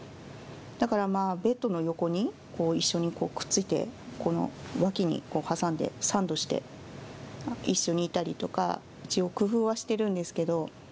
だから、ベッドの横に一緒にくっついて、この脇にこう挟んで、サンドして一緒にいたりとか、一応、工夫はしてるんですけど。